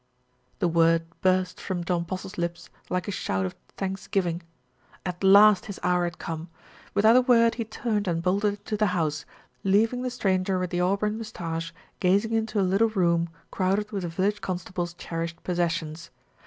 The word burst from John Postle's lips like a shout of thanksgiving. At last his hour had come ! With out a word he turned and bolted into the house, leav ing the stranger with the auburn moustache gazing into a little room crowded with the village constable's cher ished possessions.